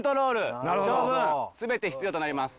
全て必要となります。